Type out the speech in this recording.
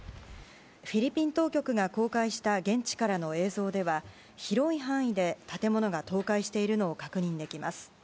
フィリピン当局が公開した現地からの映像では広い範囲で建物が倒壊しているのを確認できます。